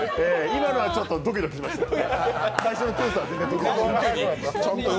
今のはちょっとドキドキしましたね。